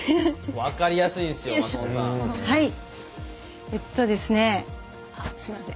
分かりやすいですよ松本さん。